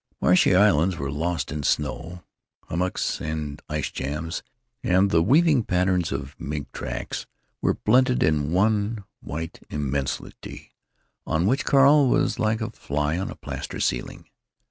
Marshy islands were lost in snow. Hummocks and ice jams and the weaving patterns of mink tracks were blended in one white immensity, on which Carl was like a fly on a plaster ceiling.